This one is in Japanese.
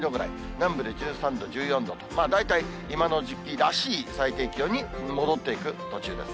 南部で１３度、１４度と、大体今の時期らしい最低気温に戻っていく途中です。